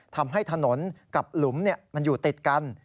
ทำให้ถนนกับหลุมมันอยู่ติดกัน